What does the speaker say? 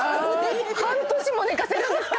半年も寝かせるんですか